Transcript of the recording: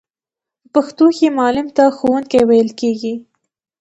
په پښتو کې معلم ته ښوونکی ویل کیږی.